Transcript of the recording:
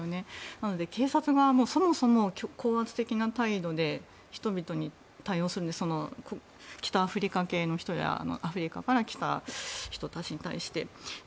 なので警察側もそもそも高圧的な態度で人々に対応するので北アフリカ系の人やアフリカから来た人たちに対して。